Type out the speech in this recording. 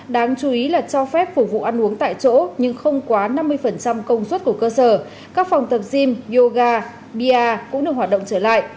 đáng chú ý là cho phép phục vụ ăn uống tại chỗ nhưng không quá năm mươi công suất của cơ sở các phòng tập gym yoga bia cũng được hoạt động trở lại